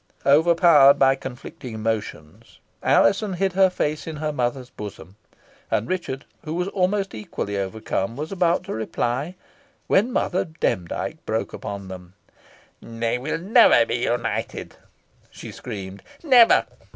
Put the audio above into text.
Overpowered by conflicting emotions, Alizon hid her face in her mother's bosom, and Richard, who was almost equally overcome, was about to reply, when Mother Demdike broke upon them. "They will never be united!" she screamed. "Never!